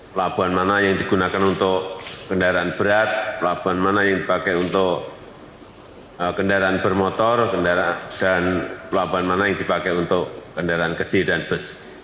pelabuhan mana yang digunakan untuk kendaraan berat pelabuhan mana yang dipakai untuk kendaraan bermotor dan pelabuhan mana yang dipakai untuk kendaraan kecil dan bus